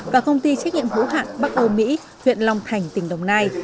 và công ty trách nhiệm hữu hạn bắc âu mỹ huyện long thành tỉnh đồng nai